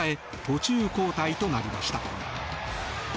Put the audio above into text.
途中交代となりました。